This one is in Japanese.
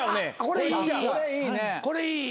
これいいね。